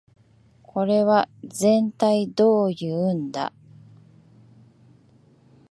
これはぜんたいどういうんだ